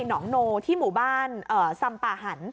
หนองโนที่หมู่บ้านซำป่าหัน